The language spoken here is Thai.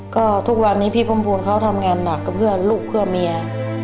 ก็ทุกวันนี้พี่พุ่มพวงเขาทำงานหนักก็เพื่อลูกเพื่อเมีย